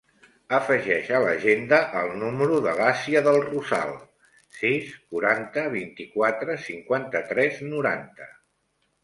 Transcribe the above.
Afegeix a l'agenda el número de l'Asia Del Rosal: sis, quaranta, vint-i-quatre, cinquanta-tres, noranta.